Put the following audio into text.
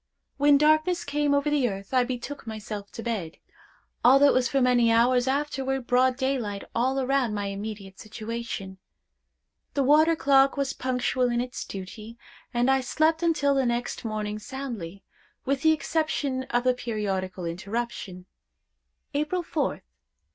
When darkness came over the earth, I betook myself to bed, although it was for many hours afterward broad daylight all around my immediate situation. The water clock was punctual in its duty, and I slept until next morning soundly, with the exception of the periodical interruption. "April 4th.